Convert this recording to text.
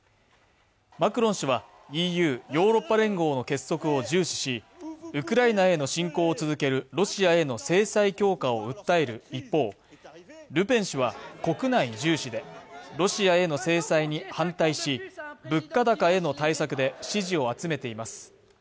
マクロン氏はＥＵ＝ヨーロッパ連合の結束を重視しウクライナへの侵攻を続けるロシアへの制裁強化を訴える一方、ルペン氏は国内重視でロシアへの制裁に反対し物価高への対策で支持を集めています。